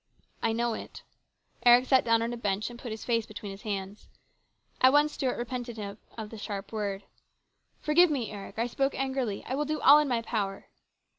" I know it." Eric sat down on a bench and put his face between his hands'. At once Stuart repented him of the sharp word. " Forgive me, Eric. I spoke angrily. I will do all in my power."